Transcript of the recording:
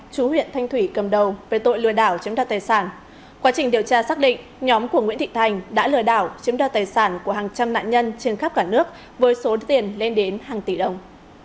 chú huyện thanh thủy cầm đầu về tội lừa đảo chiếm đoạt tài sản quá trình điều tra xác định nhóm của nguyễn thị thành đã lừa đảo chiếm đoạt tài sản của hàng trăm nạn nhân trên khắp cả nước với số tiền lên đến hàng tỷ đồng